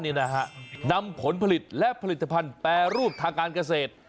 นี่นะฮะนำผลผลิตและผลิตภัณฑ์แปรรูปทางการเกษตร